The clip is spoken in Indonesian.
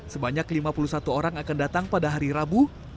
sebanyak lima puluh satu orang akan datang pada hari rabu